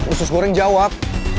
usus goreng jawab